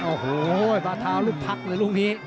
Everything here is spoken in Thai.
โอ้โหปลาเท้าลูกผักหรือลูกผี